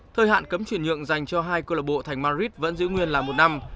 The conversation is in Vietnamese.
thời hạn cấm chuyển nhượng dành cho hai club bộ thành madrid vẫn giữ nguyên là một năm